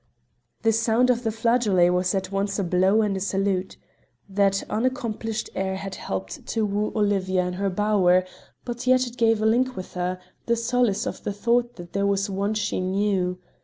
The sound of the flageolet was at once a blow and a salute. That unaccomplished air had helped to woo Olivia in her bower, but yet it gave a link with her, the solace of the thought that here was one she knew.